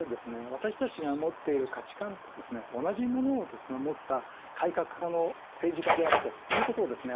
私たちが持っている価値観と同じものを持った改革派の政治家であるということをですね